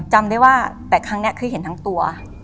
จำได้ว่าแต่ครั้งนี้คือเห็นทั้งตัว